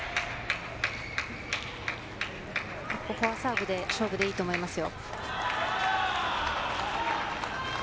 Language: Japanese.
ここはサーブで勝負でいいと思いますよ。